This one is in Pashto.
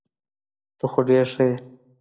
ته خو ډير ښه يي .